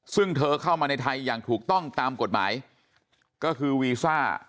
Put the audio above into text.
ซึ่งเธอเข้ามาในไทยอย่างถูกต้องตามกฎหมายก็คือวีซ่า